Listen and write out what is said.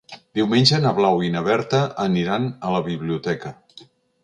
Diumenge na Blau i na Berta aniran a la biblioteca.